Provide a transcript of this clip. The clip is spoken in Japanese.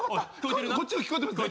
こっちの聞こえてますね？